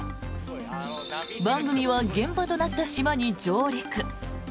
番組は現場となった島に上陸。